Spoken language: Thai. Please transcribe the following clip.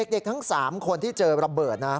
เด็กทั้ง๓คนที่เจอระเบิดนะ